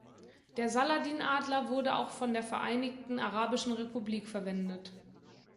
Der Saladin-Adler wurde auch von der Vereinigten Arabischen Republik verwendet.